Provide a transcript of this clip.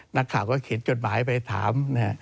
นักข่าวก็เขียนจดหมายไปถาม